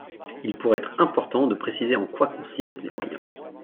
» Il pourrait être important de préciser en quoi consistent les moyens.